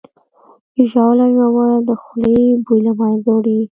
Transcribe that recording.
ژاوله ژوول د خولې بوی له منځه وړي.